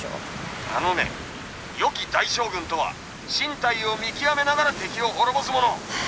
「あのねよき大将軍とは進退を見極めながら敵を滅ぼすもの。